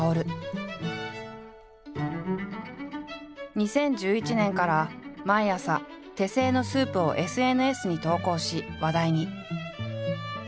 ２０１１年から毎朝手製のスープをＳＮＳに投稿し話題に。